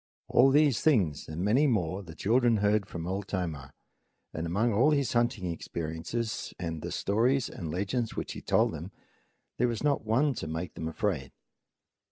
All these things and many more the children heard from Old Tomah, and among all his hunting experiences and the stories and legends which he told them there was not one to make them afraid.